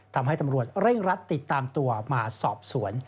ทำให้ตำรวจเร่งรัดติดตามตัวมาสอบสวน